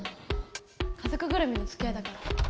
家族ぐるみのつきあいだから。